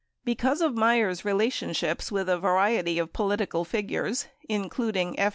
Because of Meier's relationships with a variety of political figures, including F.